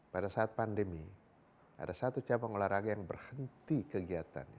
pada saat pandemi ada satu cabang olahraga yang berhenti kegiatannya